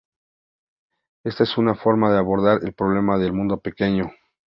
Esta es una forma de abordar el problema del mundo pequeño.